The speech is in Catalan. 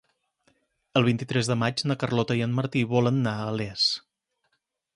El vint-i-tres de maig na Carlota i en Martí volen anar a Les.